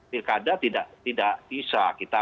pilkada tidak bisa kita